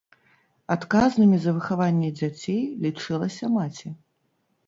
Адказнымі за выхаванне дзяцей лічылася маці.